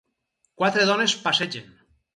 Quatre dones passegen.